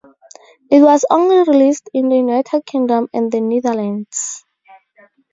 It was only released in the United Kingdom and the Netherlands.